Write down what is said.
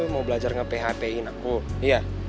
mau belajar nge php in aku iya